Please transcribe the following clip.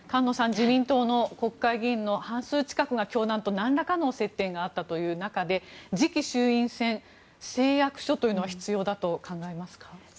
自民党の国会議員の半数近くが教団と何らかの接点があったという中で次期衆院選、誓約書というのが必要だと考えますか？